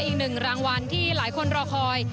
อีกหนึ่งรางวัลที่หลายคนรอคอย